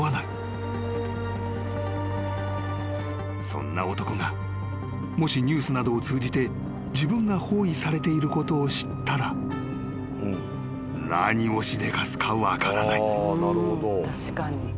［そんな男がもしニュースなどを通じて自分が包囲されていることを知ったら何をしでかすか分からない］